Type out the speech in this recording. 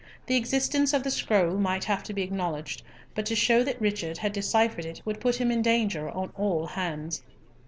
The existence of the scroll might have to be acknowledged, but to show that Richard had deciphered it would put him in danger on all hands.